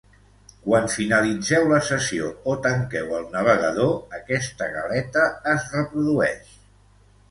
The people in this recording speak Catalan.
Quan finalitzeu la sessió o tanqueu el navegador aquesta galeta es reprodueix.